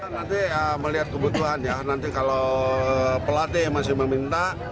nanti melihat kebutuhan ya nanti kalau pelatih masih meminta